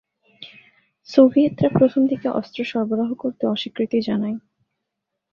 সোভিয়েতরা প্রথমদিকে অস্ত্র সরবরাহ করতে অস্বীকৃতি জানায়।